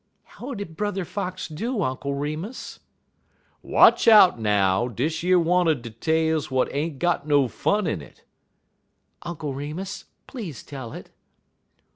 "How did Brother Fox do, Uncle Remus?" "Watch out, now! Dish yer one er de tales w'at ain't got no fun in it." "Uncle Remus, please tell it."